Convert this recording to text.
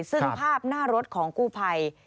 ซึ่งภาพหน้ารถของกู้ภัย